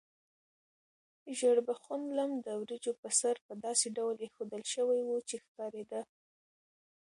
ژیړبخون لم د وریجو په سر په داسې ډول ایښودل شوی و چې ښکارېده.